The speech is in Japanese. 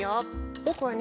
ぼくはね